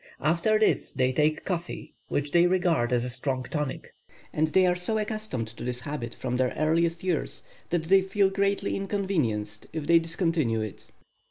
After this they take coffee, which they regard as a strong tonic; and they are so accustomed to this habit from their earliest years, that they feel greatly inconvenienced if they discontinue it.